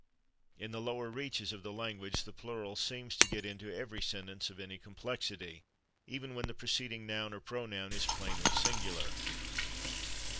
" In the lower reaches of the language the plural seems to get into every sentence of any complexity, even when the preceding noun or pronoun is plainly singular.